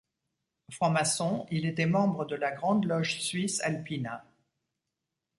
Franc-maçon, il était membre de la Grande Loge suisse Alpina.